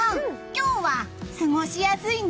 今日は過ごしやすいね！